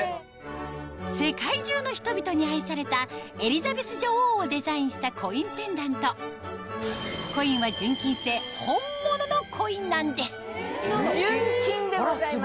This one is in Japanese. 世界中の人々に愛されたエリザベス女王をデザインしたコインペンダント本物のコインなんです純金でございます。